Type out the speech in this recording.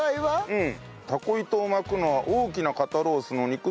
うん。